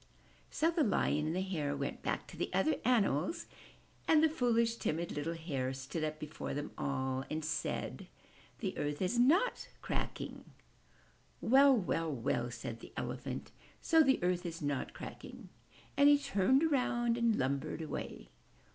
So the Lion and the Hare went back to the other animals and the fooHsh, timid, little Hare stood up before them all and said, *The earth is not cracking/* "Well! Well! Well!" said the Elephant. ''So the earth is not cracking!'' And he turned around and lumbered away.